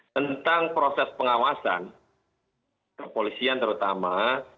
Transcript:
tentang proses pengawasan kepolisian terutama